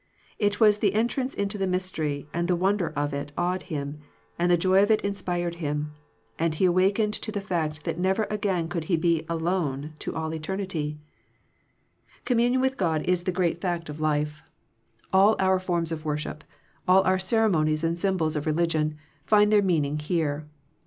It was the entrance into the mystery, and the wonder of it awed him, and the joy of it inspired him, and he awakened to the fact that never again could he be alone to all eternity. Communion with God is the great fact 222 Digitized by VjOOQIC THE HIGHER FRIENDSHIP of life. All our forms of worship, all our ceremonies and symbols of religion, find their meaning here.